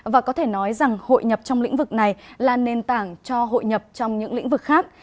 và có thể nói rằng hội nhập trong lĩnh vực này là nền tảng cho hội nhập trong những lĩnh vực khác